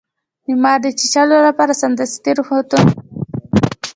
د مار د چیچلو لپاره سمدستي روغتون ته لاړ شئ